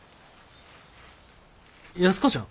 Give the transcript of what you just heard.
安子ちゃん？